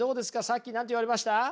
さっき何て言われました？